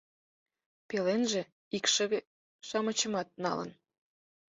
Пеленже икшыве-шамычымат налын.